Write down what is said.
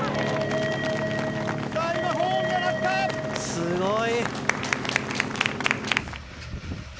すごい。